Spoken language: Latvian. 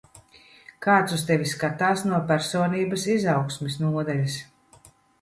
Kāds uz tevi skatās no personības izaugsmes nodaļas.